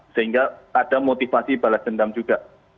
sehingga ada motivasi balas dendam juga